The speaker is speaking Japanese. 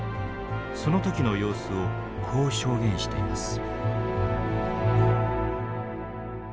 その時の様子をこう証言しています。